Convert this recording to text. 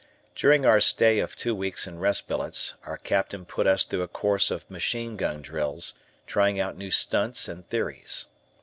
During our stay of two weeks in rest billets our Captain put us through a course of machine gun drills, trying out new stunts and theories.